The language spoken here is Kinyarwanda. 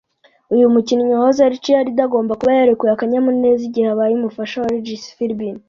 Uyu mukinnyi wahoze ari cheerleader agomba kuba yarekuye akanyamuneza igihe abaye umufasha wa Regis Philbin